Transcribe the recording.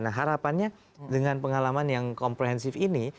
nah harapannya dengan pengalaman yang komprehensif ini